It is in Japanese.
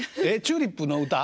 「チューリップの歌」？